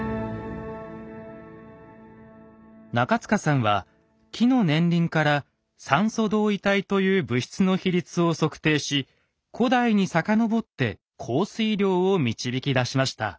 中塚さんは木の年輪から「酸素同位体」という物質の比率を測定し古代に遡って降水量を導き出しました。